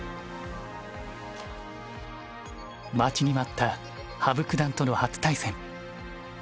待ちに待った羽生九段との初対戦。